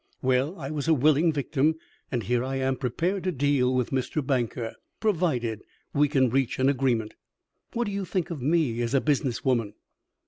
Well, I was a willing victim, and here I am, prepared to deal with Mr. Banker, provided we can reach an agreement. What do you think of me as a business woman?"